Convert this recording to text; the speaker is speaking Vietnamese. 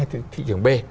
hay thị trường b